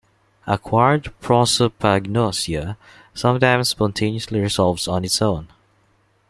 Acquired prosopagnosia sometimes spontaneously resolves on its own.